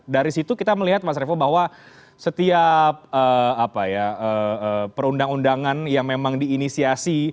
dari situ kita melihat mas revo bahwa setiap perundang undangan yang memang diinisiasi